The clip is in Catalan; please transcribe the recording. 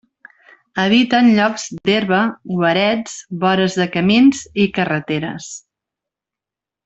Habita en llocs d'herba, guarets, vores de camins i carreteres.